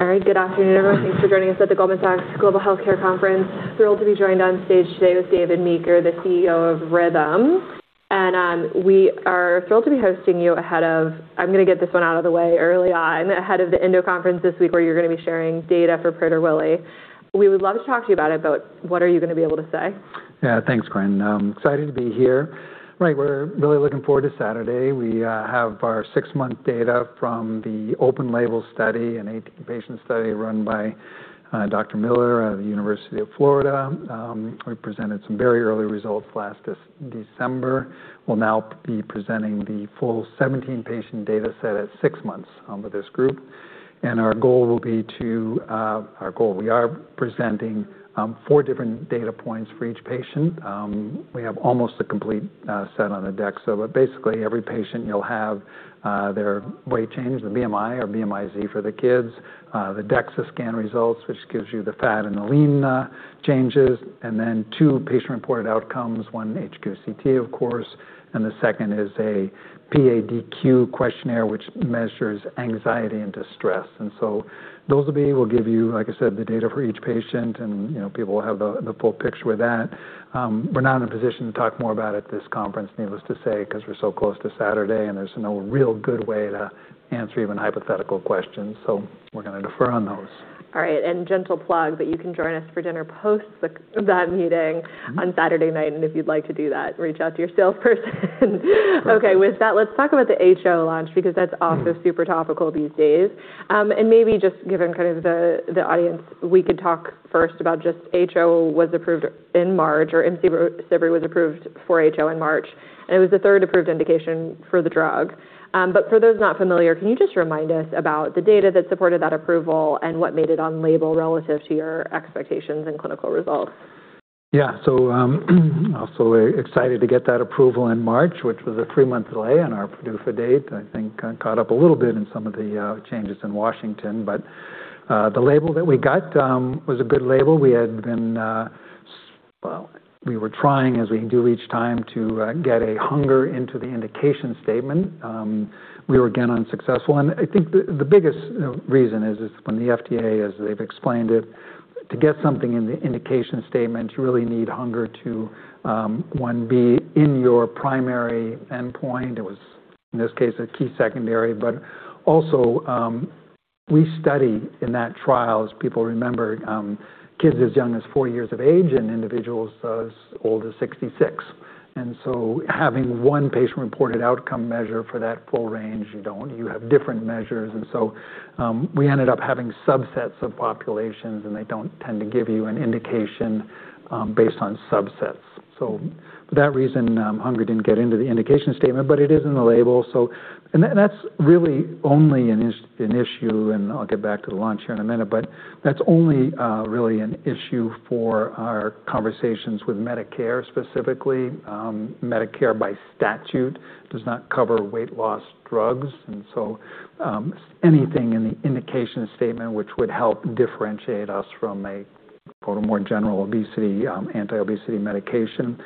All right. Good afternoon, everyone. Thanks for joining us at the Goldman Sachs Global Healthcare Conference. Thrilled to be joined on stage today with David Meeker, the CEO of Rhythm. We are thrilled to be hosting you ahead of, I'm going to get this one out of the way early on, ahead of the ENDO conference this week, where you're going to be sharing data for Praloretel. We would love to talk to you about it, but what are you going to be able to say? Yeah, thanks, Corinne. I'm excited to be here. We're really looking forward to Saturday. We have our six-month data from the open label study, an 18-patient study run by Dr. Miller out of the University of Florida. We presented some very early results last December. We'll now be presenting the full 17-patient data set at six months with this group. Our goal will be to We are presenting four different data points for each patient. We have almost a complete set on the DEXA. Every patient you'll have their weight change, the BMI or BMIZ for the kids, the DEXA scan results, which gives you the fat and the lean changes, and then two patient-reported outcomes, one HQ-CT, of course, and the second is a PADQ questionnaire, which measures anxiety and distress. Those will be, we'll give you, like I said, the data for each patient, and people will have the full picture with that. We're not in a position to talk more about it this conference, needless to say, because we're so close to Saturday, and there's no real good way to answer even hypothetical questions. We're going to defer on those. All right. Gentle plug, but you can join us for dinner post that meeting on Saturday night. If you'd like to do that, reach out to your salesperson. Okay, with that, let's talk about the HO launch, because that's also super topical these days. Maybe just given the audience, we could talk first about just HO was approved in March, or IMCIVREE was approved for HO in March, and it was the third approved indication for the drug. For those not familiar, can you just remind us about the data that supported that approval and what made it on label relative to your expectations and clinical results? Also excited to get that approval in March, which was a three-month delay on our PDUFA date. I think got up a little bit in some of the changes in Washington. The label that we got was a good label. We were trying, as we do each time, to get a hunger into the indication statement. We were again unsuccessful. I think the biggest reason is from the FDA, as they've explained it. To get something in the indication statement, you really need hunger to, one, be in your primary endpoint. It was, in this case, a key secondary, but also, we studied in that trial, as people remember, kids as young as four years of age and individuals as old as 66. Having one patient-reported outcome measure for that full range, you don't. You have different measures. We ended up having subsets of populations, and they don't tend to give you an indication based on subsets. For that reason, hunger didn't get into the indication statement, but it is in the label. That's really only an issue, and I'll get back to the launch here in a minute, but that's only really an issue for our conversations with Medicare, specifically. Medicare by statute does not cover weight loss drugs. Anything in the indication statement which would help differentiate us from a quote, unquote, more general anti-obesity medication.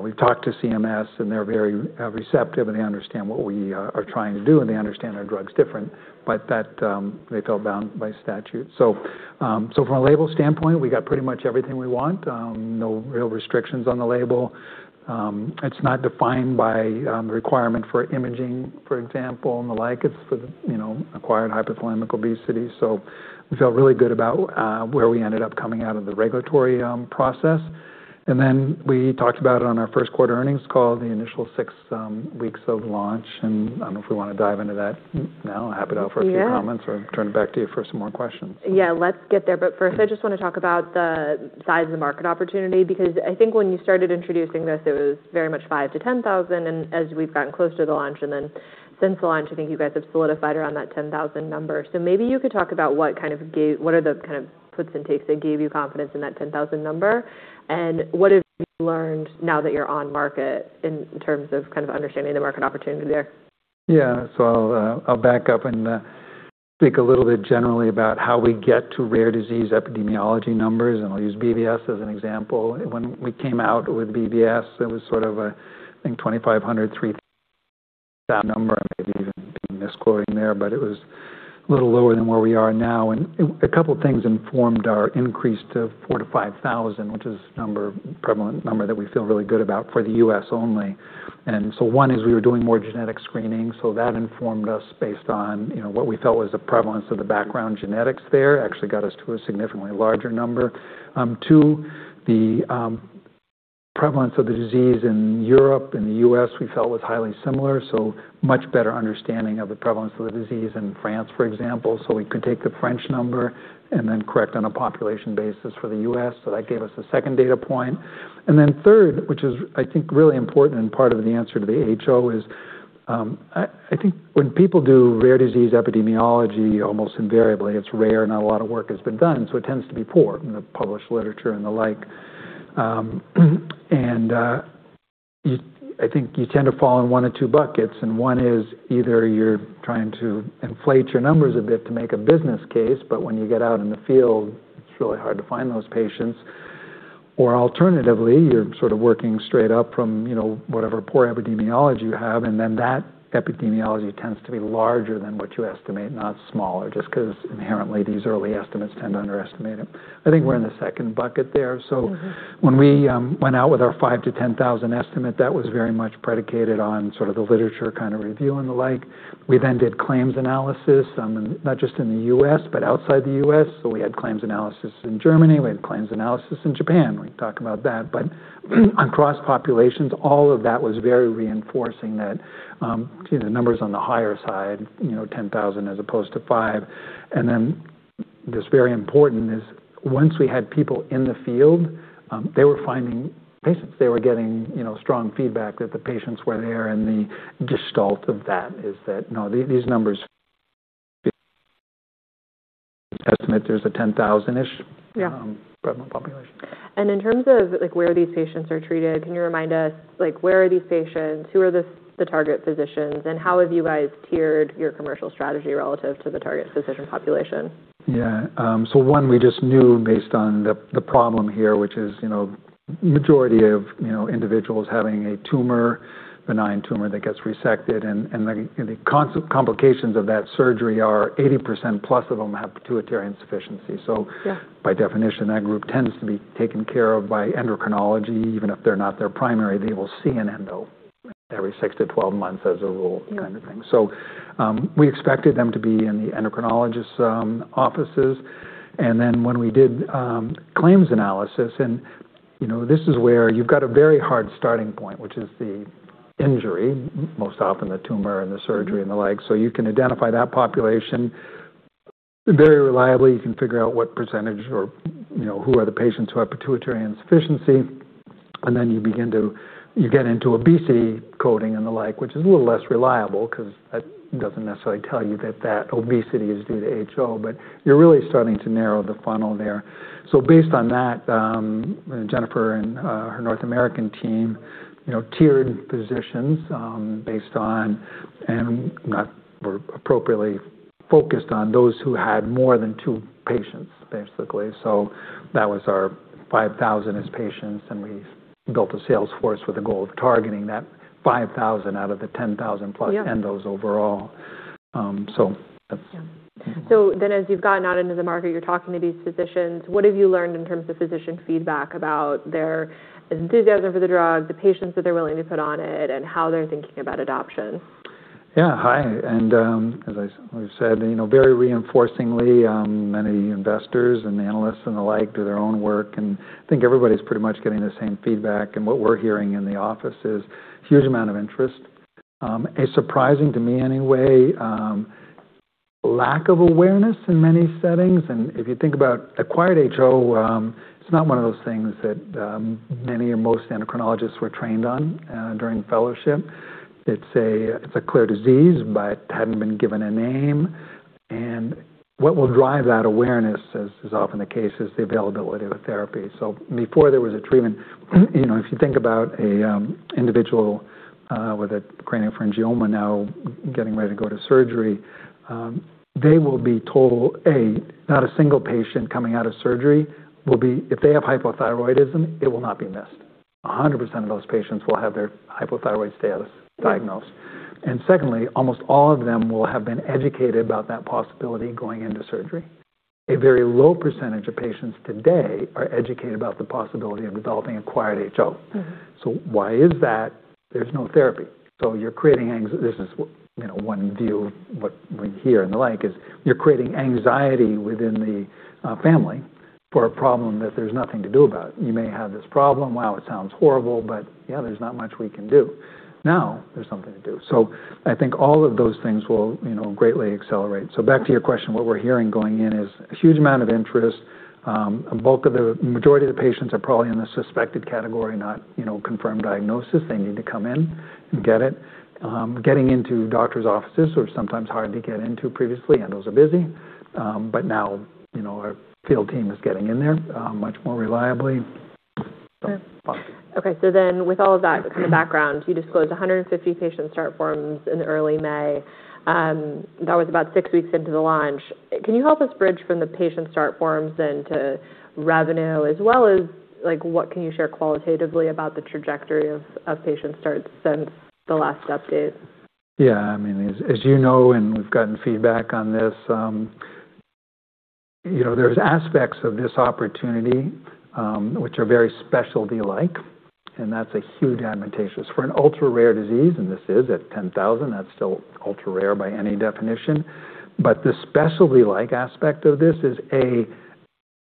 We've talked to CMS, and they're very receptive, and they understand what we are trying to do, and they understand our drug's different, but that they felt bound by statute. From a label standpoint, we got pretty much everything we want. No real restrictions on the label. It's not defined by the requirement for imaging, for example, and the like. It's for acquired Hypothalamic Obesity. We felt really good about where we ended up coming out of the regulatory process. We talked about it on our first quarter earnings call, the initial six weeks of launch. I don't know if we want to dive into that now. Happy to offer a few comments- Yeah Turn it back to you for some more questions. Let's get there. First, I just want to talk about the size of the market opportunity, because I think when you started introducing this, it was very much 5 to 10,000, and as we've gotten close to the launch and since the launch, I think you guys have solidified around that 10,000 number. Maybe you could talk about what are the kind of puts and takes that gave you confidence in that 10,000 number, and what have you learned now that you're on market in terms of kind of understanding the market opportunity there? I'll back up and speak a little bit generally about how we get to rare disease epidemiology numbers, and I'll use BBS as an example. When we came out with BBS, it was sort of, I think 2,500, 3,000 number. I may even be misquoting there, but it was a little lower than where we are now. A couple of things informed our increase to 4,000 to 5,000, which is number, prevalent number that we feel really good about for the U.S. only. One is we were doing more genetic screening, so that informed us based on what we felt was the prevalence of the background genetics there. Actually got us to a significantly larger number. Two, the prevalence of the disease in Europe and the U.S. we felt was highly similar, so much better understanding of the prevalence of the disease in France, for example. We could take the French number and correct on a population basis for the U.S. That gave us a second data point. Third, which is I think really important and part of the answer to the HO is, I think when people do rare disease epidemiology, almost invariably it's rare. Not a lot of work has been done, so it tends to be poor in the published literature and the like. I think you tend to fall in one of two buckets, and one is either you're trying to inflate your numbers a bit to make a business case, but when you get out in the field, it's really hard to find those patients. Alternatively, you're sort of working straight up from whatever poor epidemiology you have, and that epidemiology tends to be larger than what you estimate, not smaller, just because inherently these early estimates tend to underestimate it. I think we're in the second bucket there. When we went out with our 5,000-10,000 estimate, that was very much predicated on sort of the literature kind of review and the like. We then did claims analysis, not just in the U.S. but outside the U.S. We had claims analysis in Germany, we had claims analysis in Japan. We can talk about that. Across populations, all of that was very reinforcing that the numbers on the higher side, 10,000 as opposed to five. What's very important is once we had people in the field, they were finding patients. They were getting strong feedback that the patients were there, and the gestalt of that is that, no, these numbers estimate there's a 10,000-ish- Yeah prevalent population. In terms of where these patients are treated, can you remind us, where are these patients? Who are the target physicians, and how have you guys tiered your commercial strategy relative to the target physician population? Yeah. One we just knew based on the problem here, which is majority of individuals having a tumor, benign tumor that gets resected and the complications of that surgery are 80%+ of them have pituitary insufficiency. Yeah. By definition, that group tends to be taken care of by endocrinology. Even if they're not their primary, they will see an endo every six to 12 months as a rule kind of thing. Yeah. We expected them to be in the endocrinologist's offices. When we did claims analysis, and this is where you've got a very hard starting point, which is the injury, most often the tumor and the surgery and the like. You can identify that population very reliably. You can figure out what percentage or who are the patients who have pituitary insufficiency, and then you get into obesity coding and the like, which is a little less reliable because that doesn't necessarily tell you that that obesity is due to HO, but you're really starting to narrow the funnel there. Based on that, Jennifer and her North American team tiered physicians based on, and not were appropriately focused on those who had more than two patients, basically. That was our 5,000 as patients, and we built a sales force with a goal of targeting that 5,000 out of the 10,000 plus. Yeah Endos overall. That's. Yeah. As you've gotten out into the market, you're talking to these physicians, what have you learned in terms of physician feedback about their enthusiasm for the drug, the patients that they're willing to put on it, and how they're thinking about adoption? Yeah. Hi, as I said, very reinforcingly, many investors and analysts and the like do their own work, I think everybody's pretty much getting the same feedback. What we're hearing in the office is huge amount of interest. A surprising, to me anyway, lack of awareness in many settings. If you think about acquired HO, it's not one of those things that many or most endocrinologists were trained on during fellowship. It's a clear disease, but hadn't been given a name. What will drive that awareness, as is often the case, is the availability of a therapy. Before there was a treatment, if you think about an individual with a craniopharyngioma now getting ready to go to surgery, they will be told, A, not a single patient coming out of surgery, if they have hypothyroidism, it will not be missed. 100% of those patients will have their hypothyroid status diagnosed. Secondly, almost all of them will have been educated about that possibility going into surgery. A very low percentage of patients today are educated about the possibility of developing acquired HO. Why is that? There's no therapy. This is one view of what we hear and the like is you're creating anxiety within the family for a problem that there's nothing to do about. You may have this problem. Wow, it sounds horrible, but yeah, there's not much we can do. Now, there's something to do. I think all of those things will greatly accelerate. Back to your question, what we're hearing going in is a huge amount of interest. Majority of the patients are probably in the suspected category, not confirmed diagnosis. They need to come in and get it. Getting into doctor's offices were sometimes hard to get into previously. Endos are busy. Now, our field team is getting in there much more reliably. Okay. With all of that kind of background, you disclosed 150 patient start forms in early May. That was about six weeks into the launch. Can you help us bridge from the patient start forms then to revenue, as well as what can you share qualitatively about the trajectory of patient starts since the last update? Yeah. As you know, and we've gotten feedback on this, there's aspects of this opportunity, which are very specialty-like, and that's a huge advantage. For an ultra-rare disease, and this is at 10,000, that's still ultra-rare by any definition. The specialty-like aspect of this is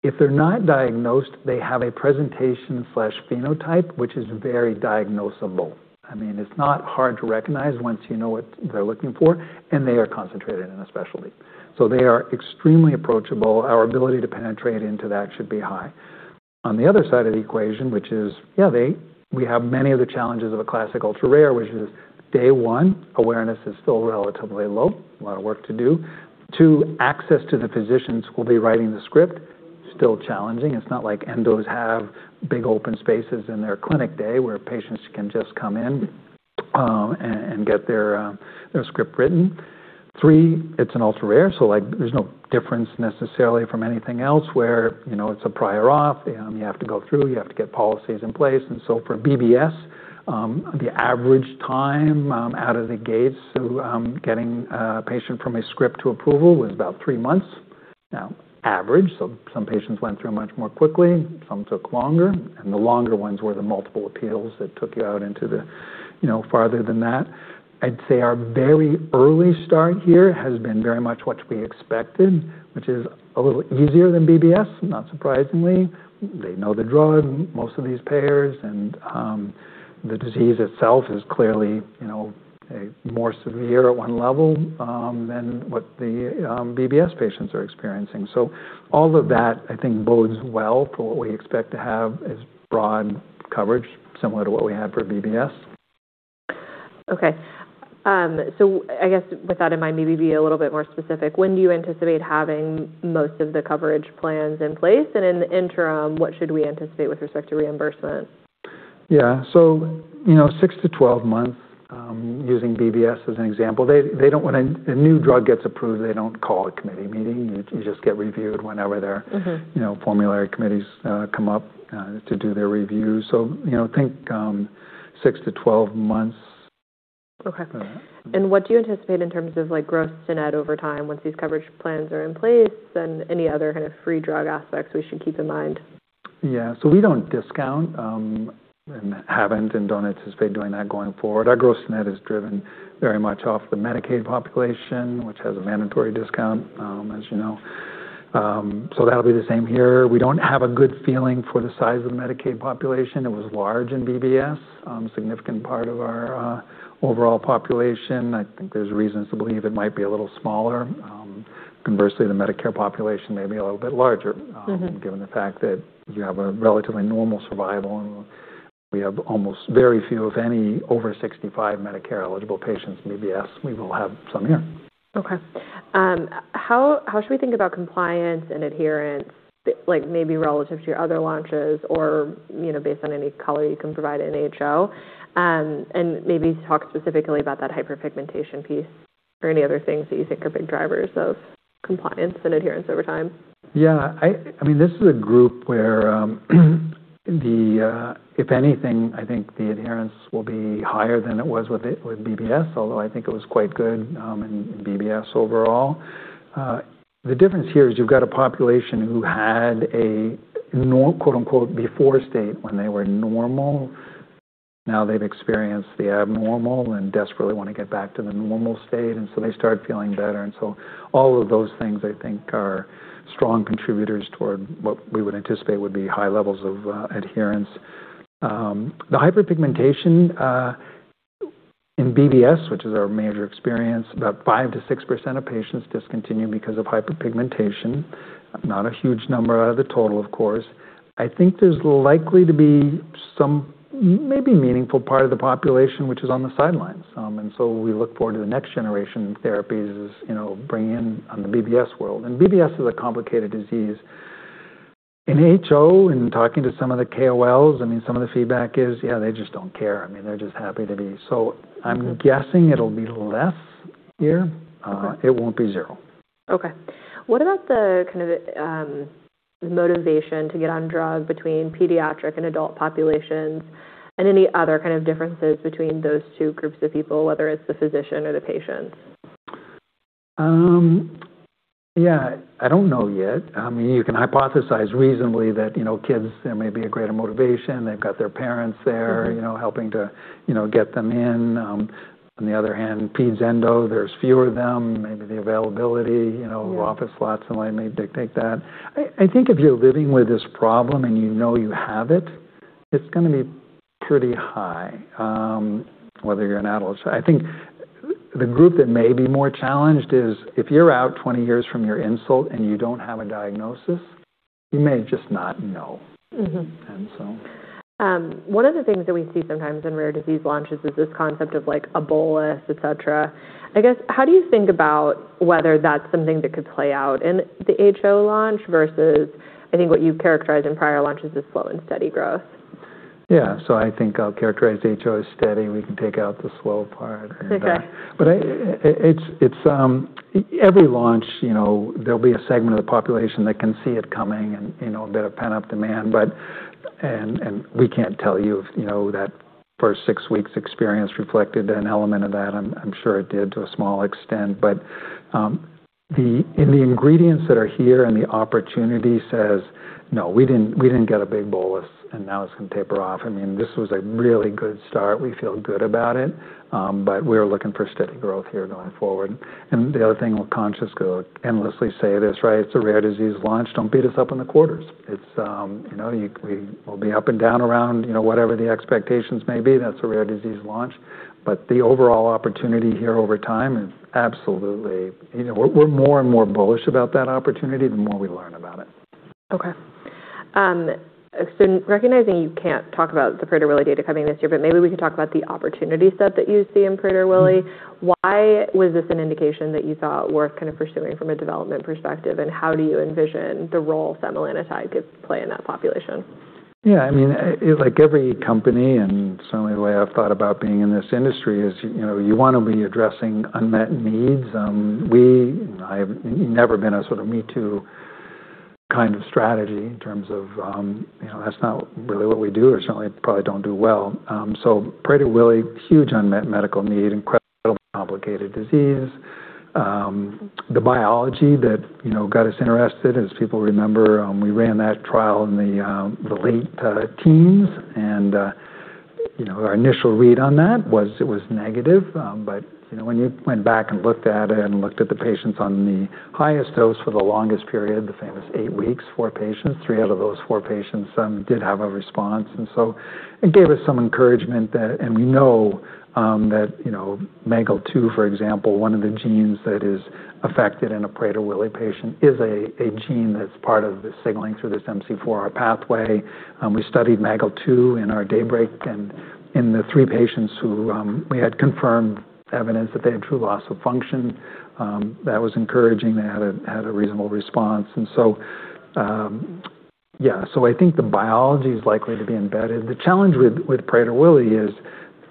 if they're not diagnosed, they have a presentation/phenotype, which is very diagnosable. It's not hard to recognize once you know what they're looking for, and they are concentrated in a specialty. They are extremely approachable. Our ability to penetrate into that should be high. On the other side of the equation, which is, yeah, we have many of the challenges of a classic ultra-rare, which is day one, awareness is still relatively low. A lot of work to do. Two, access to the physicians who will be writing the script, still challenging. It's not like ENDOs have big open spaces in their clinic day where patients can just come in and get their script written. Three, it's an ultra rare, so there's no difference necessarily from anything else where, it's a prior off. You have to go through, you have to get policies in place. For BBS, the average time out of the gates to getting a patient from a script to approval was about three months. Now, average, so some patients went through much more quickly, some took longer, and the longer ones were the multiple appeals that took you out into the farther than that. I'd say our very early start here has been very much what we expected, which is a little easier than BBS, not surprisingly. They know the drug, most of these payers, and the disease itself is clearly more severe at one level than what the BBS patients are experiencing. All of that, I think, bodes well for what we expect to have as broad coverage, similar to what we had for BBS. Okay. I guess with that in mind, maybe be a little bit more specific. When do you anticipate having most of the coverage plans in place? In the interim, what should we anticipate with respect to reimbursement? Yeah. Six to 12 months, using BBS as an example. When a new drug gets approved, they don't call a committee meeting. You just get reviewed whenever their formulary committees come up to do their review. Think six to 12 months. Okay. What do you anticipate in terms of growth to net over time once these coverage plans are in place, and any other kind of free drug aspects we should keep in mind? Yeah. We don't discount, and haven't, and don't anticipate doing that going forward. Our gross net is driven very much off the Medicaid population, which has a mandatory discount, as you know. That'll be the same here. We don't have a good feeling for the size of the Medicaid population. It was large in BBS, a significant part of our overall population. I think there's reasons to believe it might be a little smaller. Conversely, the Medicare population may be a little bit larger. Given the fact that you have a relatively normal survival. We have almost very few, if any, over 65 Medicare-eligible patients in BBS. We will have some here. Okay. How should we think about compliance and adherence, maybe relative to your other launches or based on any color you can provide in HO? Maybe talk specifically about that hyperpigmentation piece or any other things that you think are big drivers of compliance and adherence over time. Yeah. This is a group where if anything, I think the adherence will be higher than it was with BBS, although I think it was quite good in BBS overall. The difference here is you've got a population who had a quote unquote, before state when they were normal. Now they've experienced the abnormal and desperately want to get back to the normal state, and so they start feeling better. All of those things, I think, are strong contributors toward what we would anticipate would be high levels of adherence. The hyperpigmentation, in BBS, which is our major experience, about 5%-6% of patients discontinue because of hyperpigmentation. Not a huge number out of the total, of course. I think there's likely to be some maybe meaningful part of the population, which is on the sidelines. We look forward to the next generation of therapies as bringing in on the BBS world. BBS is a complicated disease. In HO, in talking to some of the KOLs, some of the feedback is, yeah, they just don't care. They're just happy to be. I'm guessing it'll be less here. Okay. It won't be zero. Okay. What about the motivation to get on drug between pediatric and adult populations, and any other kind of differences between those two groups of people, whether it's the physician or the patients? Yeah. I don't know yet. You can hypothesize reasonably that kids, there may be a greater motivation. They've got their parents there. helping to get them in. On the other hand, Peds ENDO, there's fewer of them, maybe the availability- Yeah office slots and why may dictate that. I think if you're living with this problem and you know you have it's going to be pretty high, whether you're an adult. I think the group that may be more challenged is if you're out 20 years from your insult and you don't have a diagnosis, you may just not know. And so. One of the things that we see sometimes in rare disease launches is this concept of a bolus, et cetera. I guess, how do you think about whether that's something that could play out in the HO launch versus, I think what you've characterized in prior launches as slow and steady growth? Yeah. I think I'll characterize HO as steady. We can take out the slow part. Okay. Every launch, there'll be a segment of the population that can see it coming and a bit of pent-up demand. We can't tell you if that first six weeks experience reflected an element of that. I'm sure it did to a small extent. In the ingredients that are here and the opportunity says, no, we didn't get a big bolus, and now it's going to taper off. This was a really good start. We feel good about it, but we're looking for steady growth here going forward. The other thing we're conscious, could endlessly say this, right? It's a rare disease launch. Don't beat us up on the quarters. We'll be up and down around whatever the expectations may be. That's a rare disease launch. The overall opportunity here over time is absolutely. We're more and more bullish about that opportunity the more we learn about it. Okay. Recognizing you can't talk about the Prader-Willi data coming this year, but maybe we can talk about the opportunity set that you see in Prader-Willi. Why was this an indication that you thought worth pursuing from a development perspective, and how do you envision the role setmelanotide could play in that population? Like every company, certainly the way I've thought about being in this industry is, you want to be addressing unmet needs. I've never been a sort of me too kind of strategy in terms of, that's not really what we do, or certainly, probably don't do well. Prader-Willi, huge unmet medical need, incredibly complicated disease. The biology that got us interested, as people remember, we ran that trial in the late teens. Our initial read on that was it was negative. When you went back and looked at it, and looked at the patients on the highest dose for the longest period, the famous eight weeks, four patients, three out of those four patients did have a response. It gave us some encouragement there. We know that MAGEL2, for example, one of the genes that is affected in a Prader-Willi patient, is a gene that's part of the signaling through this MC4R pathway. We studied MAGEL2 in our DAYBREAK and in the three patients who we had confirmed evidence that they had true loss of function. That was encouraging. They had a reasonable response. Yeah, I think the biology is likely to be embedded. The challenge with Prader-Willi is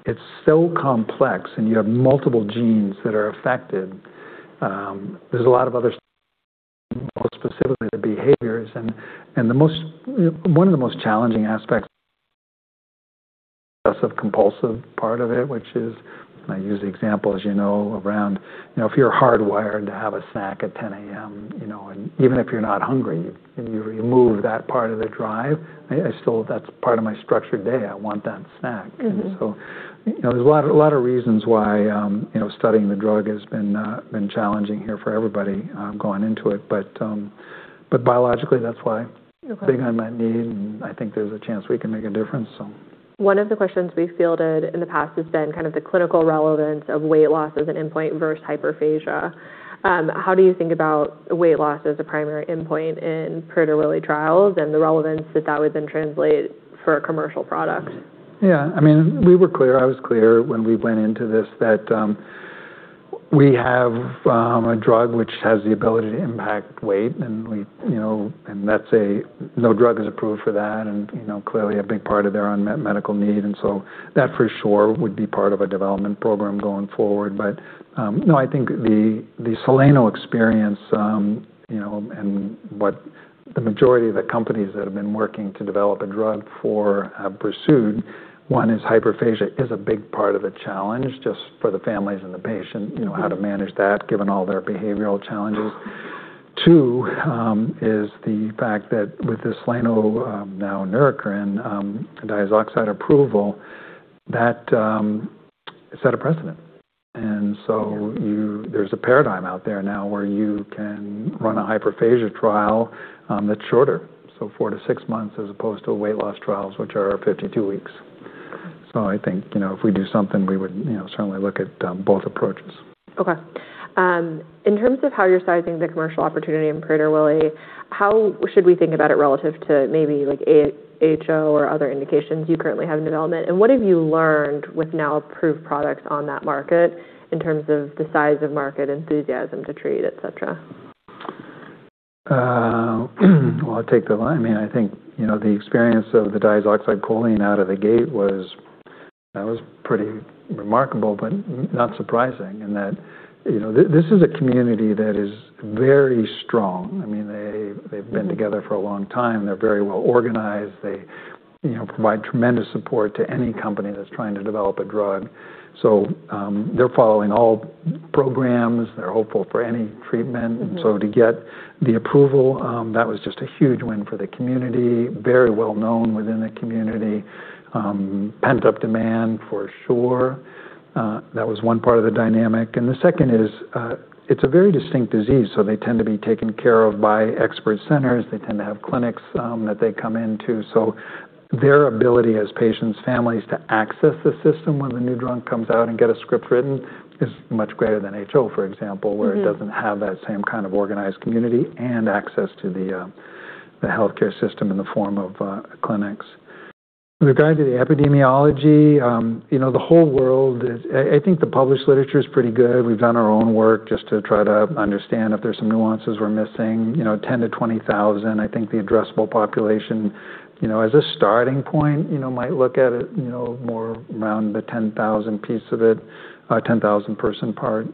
it's so complex, and you have multiple genes that are affected. There's a lot of other more specifically to behaviors, one of the most challenging aspects obsessive-compulsive part of it, which is. I use the example as you know, around, if you're hardwired to have a snack at 10:00 A.M., even if you're not hungry, you remove that part of the drive, still that's part of my structured day. I want that snack. There's a lot of reasons why studying the drug has been challenging here for everybody going into it. Biologically, that's why. Okay. Big unmet need. I think there's a chance we can make a difference. One of the questions we fielded in the past has been kind of the clinical relevance of weight loss as an endpoint versus hyperphagia. How do you think about weight loss as a primary endpoint in Prader-Willi trials and the relevance that that would then translate for a commercial product? Yeah, we were clear, I was clear when we went into this that we have a drug which has the ability to impact weight, no drug is approved for that, clearly a big part of their unmet medical need. That for sure would be part of a development program going forward. I think the Soleno experience, what the majority of the companies that have been working to develop a drug for have pursued, one is hyperphagia is a big part of the challenge, just for the families and the patient, how to manage that given all their behavioral challenges. Two is the fact that with the Soleno, now Neurocrine, diazoxide approval, that set a precedent. Yeah There's a paradigm out there now where you can run a hyperphagia trial that's shorter, so four to six months, as opposed to weight loss trials, which are 52 weeks. I think, if we do something, we would certainly look at both approaches. Okay. In terms of how you're sizing the commercial opportunity in Prader-Willi, how should we think about it relative to maybe like HO or other indications you currently have in development? What have you learned with now approved products on that market in terms of the size of market enthusiasm to treat, et cetera? Well, I'll take that. I think the experience of the diazoxide pulling out of the gate was pretty remarkable but not surprising in that this is a community that is very strong. They've been together for a long time. They're very well organized. They provide tremendous support to any company that's trying to develop a drug. They're following all programs. They're hopeful for any treatment. To get the approval, that was just a huge win for the community, very well known within the community. Pent-up demand for sure. That was one part of the dynamic. The second is, it's a very distinct disease, they tend to be taken care of by expert centers. They tend to have clinics that they come into. Their ability as patients, families to access the system when the new drug comes out and get a script written is much greater than HO, for example. Where it doesn't have that same kind of organized community and access to the healthcare system in the form of clinics. With regard to the epidemiology, I think the published literature's pretty good. We've done our own work just to try to understand if there's some nuances we're missing. 10,000-20,000, I think the addressable population. As a starting point, might look at it more around the 10,000 piece of it, 10,000-person part.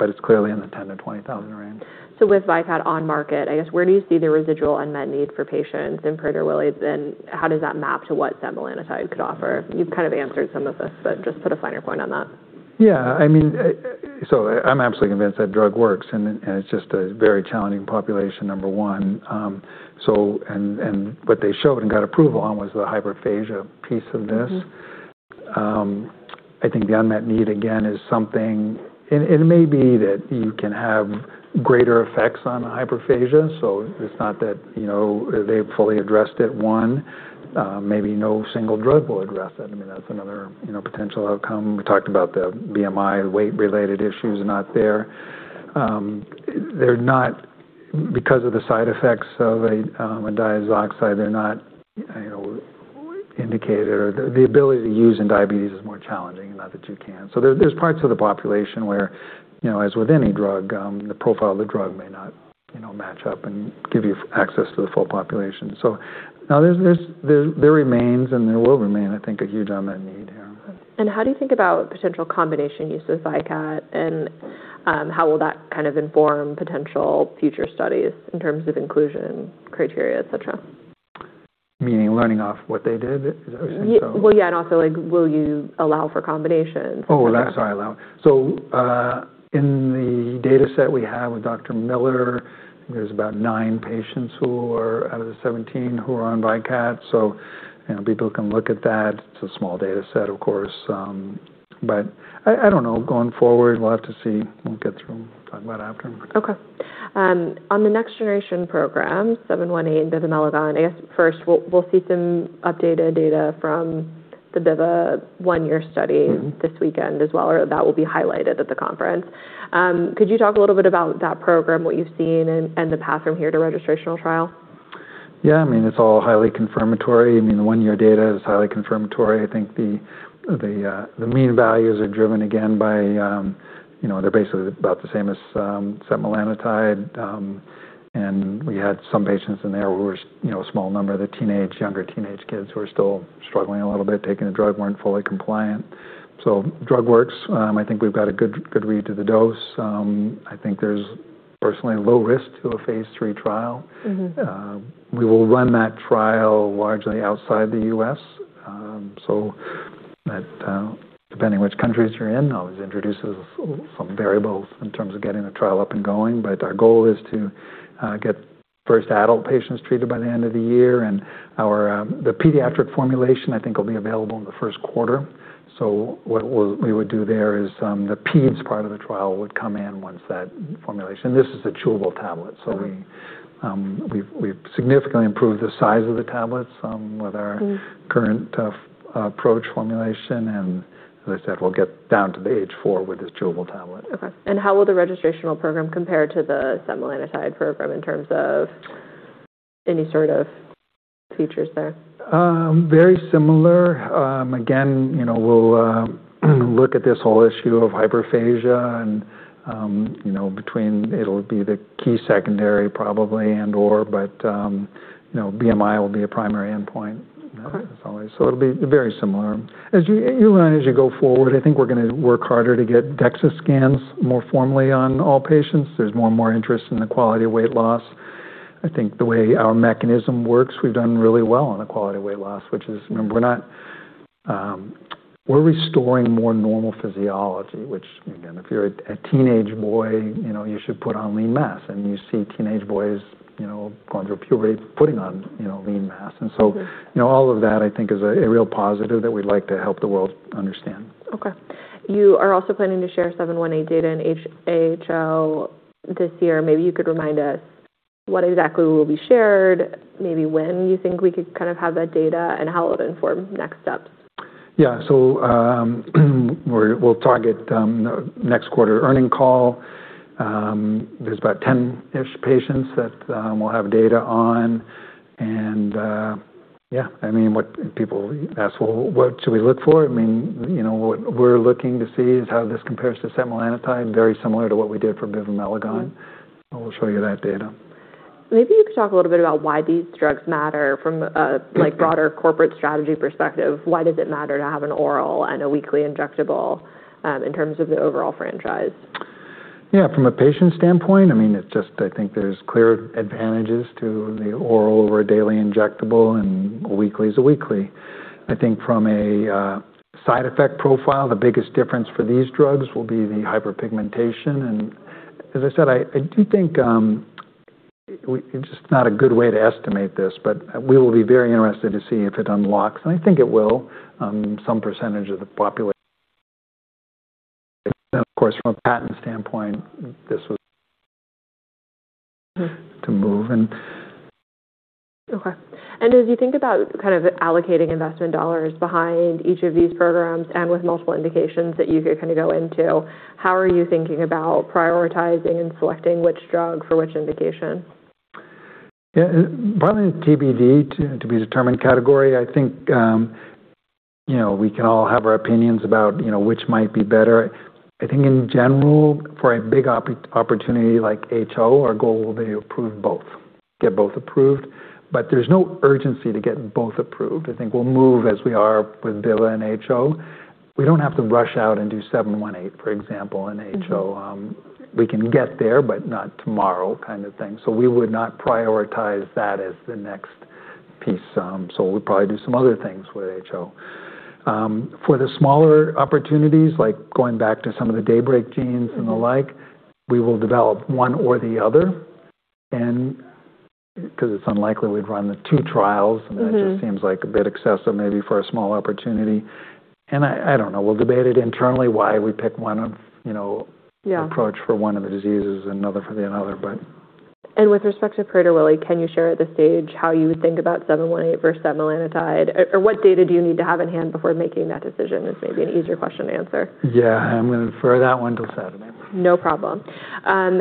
It's clearly in the 10,000-20,000 range. With Wegovy on market, I guess, where do you see the residual unmet need for patients in Prader-Willi, and how does that map to what setmelanotide could offer? You've kind of answered some of this, but just put a finer point on that. Yeah. I'm absolutely convinced that drug works, and it's just a very challenging population, number one. What they showed and got approval on was the hyperphagia piece of this. I think the unmet need again is something, and it may be that you can have greater effects on hyperphagia, so it's not that they've fully addressed it, one. Maybe no single drug will address that. That's another potential outcome. We talked about the BMI weight-related issues not there. They're not because of the side effects of a diazoxide. They're not indicated, or the ability to use in diabetes is more challenging, not that you can. There's parts of the population where, as with any drug, the profile of the drug may not match up and give you access to the full population. Now there remains and there will remain, I think, a huge unmet need here. How do you think about potential combination use with Vykat and how will that kind of inform potential future studies in terms of inclusion criteria, et cetera? Meaning learning off what they did? Is that what you're saying? Yeah, also will you allow for combinations? Oh, that. Sorry, allow. In the dataset we have with Dr. Miller, there's about nine patients out of the 17 who are on Vykat. People can look at that. It's a small dataset, of course. I don't know. Going forward, we'll have to see. We'll get through, talk about it after. Okay. On the next generation program, RM-718 bivamelagon, I guess first, we'll see some updated data from the biva one-year study. this weekend as well, that will be highlighted at the conference. Could you talk a little bit about that program, what you've seen and the path from here to registrational trial? Yeah, it's all highly confirmatory. The one-year data is highly confirmatory. I think the mean values are driven again by, they're basically about the same as setmelanotide. We had some patients in there who were a small number, the teenage, younger teenage kids who are still struggling a little bit taking the drug, weren't fully compliant. The drug works. I think we've got a good read to the dose. I think there's personally a low risk to a phase III trial. We will run that trial largely outside the U.S. That depending which countries you're in, always introduces some variables in terms of getting the trial up and going. Our goal is to get first adult patients treated by the end of the year. The pediatric formulation I think will be available in the first quarter. What we would do there is the peds part of the trial would come in once that formulation. This is a chewable tablet. Okay. We've significantly improved the size of the tablets. current approach formulation. As I said, we'll get down to the age four with this chewable tablet. Okay. How will the registrational program compare to the semaglutide program in terms of any sort of features there? Very similar. Again, we'll look at this whole issue of hyperphagia and between, it'll be the key secondary probably and or, BMI will be a primary endpoint. Okay. As always. It'll be very similar. As you learn as you go forward, I think we're going to work harder to get DEXA scans more formally on all patients. There's more and more interest in the quality of weight loss. I think the way our mechanism works, we've done really well on the quality of weight loss, which is, remember, we're restoring more normal physiology, which again, if you're a teenage boy, you should put on lean mass. You see teenage boys going through puberty, putting on lean mass. All of that I think is a real positive that we'd like to help the world understand. Okay. You are also planning to share RM-718 data in HO this year. Maybe you could remind us what exactly will be shared, maybe when you think we could have that data, and how it will inform next steps. Yeah. We'll target next quarter earning call. There's about 10-ish patients that we'll have data on. Yeah, what people ask, Well, what should we look for? What we're looking to see is how this compares to semaglutide, very similar to what we did for bivamelagon. We'll show you that data. Maybe you could talk a little bit about why these drugs matter from a broader corporate strategy perspective. Why does it matter to have an oral and a weekly injectable in terms of the overall franchise? Yeah. From a patient standpoint, it's just I think there's clear advantages to the oral or a daily injectable and a weekly is a weekly. I think from a side effect profile, the biggest difference for these drugs will be the hyperpigmentation. As I said, I do think it's just not a good way to estimate this, but we will be very interested to see if it unlocks, and I think it will on some % of the population. Of course, from a patent standpoint, this was to move and. Okay. As you think about allocating investment $ behind each of these programs and with multiple indications that you could go into, how are you thinking about prioritizing and selecting which drug for which indication? Yeah. Probably TBD, to be determined category. I think we can all have our opinions about which might be better. I think in general, for a big opportunity like HO, our goal will be to approve both. Get both approved, but there's no urgency to get both approved. I think we'll move as we are with Biva and HO. We don't have to rush out and do RM-718, for example, in HO. We can get there, but not tomorrow kind of thing. We would not prioritize that as the next piece. We'll probably do some other things with HO. For the smaller opportunities, like going back to some of the DAYBREAK genes. and the like, we will develop one or the other, because it's unlikely we'd run the two trials. That just seems like a bit excessive maybe for a small opportunity. I don't know. We'll debate it internally why we pick one approach for one of the diseases and another for the other. With respect to Prader-Willi, can you share at this stage how you would think about RM-718 versus setmelanotide? What data do you need to have in hand before making that decision, is maybe an easier question to answer. Yeah. I'm going to defer that one till Saturday. No problem. How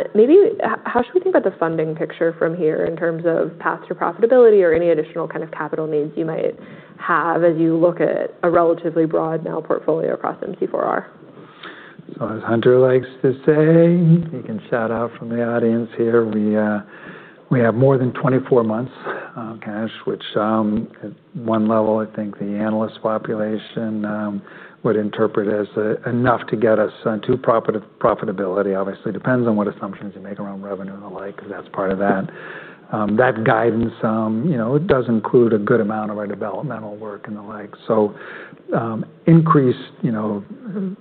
should we think about the funding picture from here in terms of path to profitability or any additional kind of capital needs you might have as you look at a relatively broad now portfolio across MC4R? As Hunter likes to say, he can shout out from the audience here, we have more than 24 months cash, which at one level, I think the analyst population would interpret as enough to get us into profitability. Obviously, depends on what assumptions you make around revenue and the like, because that's part of that. That guidance, it does include a good amount of our developmental work and the like. Increase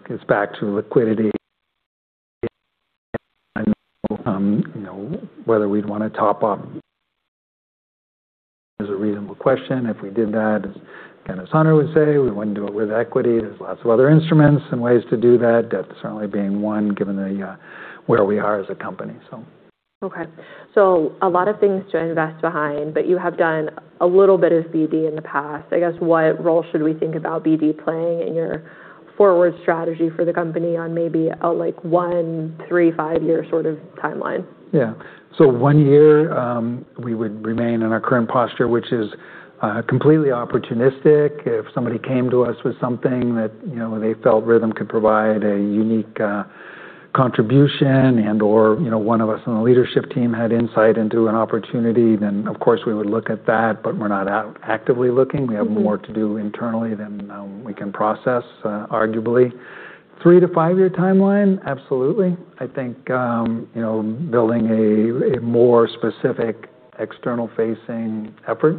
gets back to liquidity. I know whether we'd want to top up is a reasonable question. If we did that, as Hunter would say, we wouldn't do it with equity. There's lots of other instruments and ways to do that. Debt certainly being one, given where we are as a company. Okay. A lot of things to invest behind, but you have done a little bit of BD in the past. I guess, what role should we think about BD playing in your forward strategy for the company on maybe a one, three, five-year sort of timeline? Yeah. One year, we would remain in our current posture, which is completely opportunistic. If somebody came to us with something that they felt Rhythm could provide a unique contribution and/or one of us on the leadership team had insight into an opportunity, then of course we would look at that, but we're not actively looking. We have more to do internally than we can process, arguably. three to five-year timeline, absolutely. I think building a more specific external-facing effort,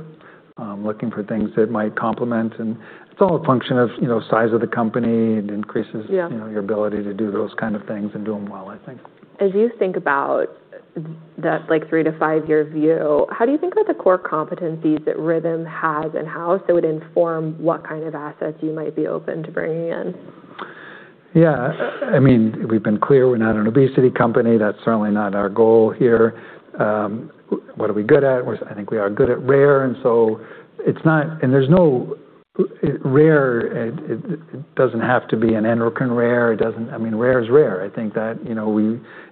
looking for things that might complement. It's all a function of size of the company. It increases- Yeah your ability to do those kind of things and do them well, I think. As you think about that three to five-year view, how do you think are the core competencies that Rhythm has in-house that would inform what kind of assets you might be open to bringing in? Yeah. We've been clear we're not an obesity company. That's certainly not our goal here. What are we good at? I think we are good at rare. Rare, it doesn't have to be an endocrine rare. Rare is rare. I think that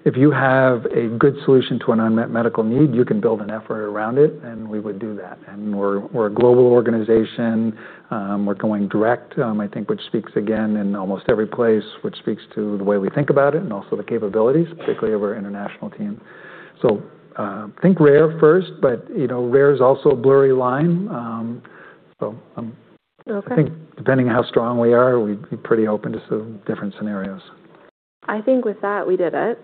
if you have a good solution to an unmet medical need, you can build an effort around it, and we would do that. We're a global organization. We're going direct, I think, which speaks again in almost every place, which speaks to the way we think about it and also the capabilities, particularly of our international team. Think rare first, but rare is also a blurry line. Okay. I think depending on how strong we are, we'd be pretty open to different scenarios. I think with that, we did it.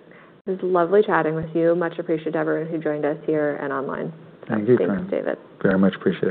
It was lovely chatting with you. Much appreciated, everyone who joined us here and online. Thank you, Corinne. Thanks, David. Very much appreciate it.